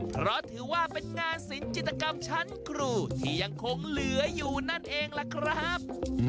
เพราะถือว่าเป็นงานสินจิตกรรมชั้นครูที่ยังคงเหลืออยู่นั่นเองล่ะครับ